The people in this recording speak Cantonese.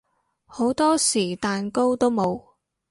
好多時蛋糕都冇